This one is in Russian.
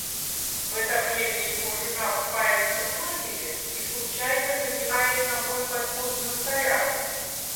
В это время его жена купается в озере и случайно задевает ногой подводную корягу.